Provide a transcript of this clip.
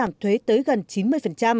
làm thuế tới gần chín mươi